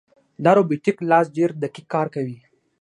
دا روبوټیک لاس ډېر دقیق کار کوي.